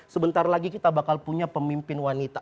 sebentar lagi kita bakal punya pemimpin wanita